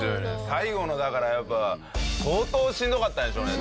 最後のだからやっぱ相当しんどかったんでしょうね。